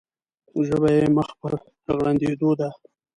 ژبه یې مخ پر غړندېدو ده.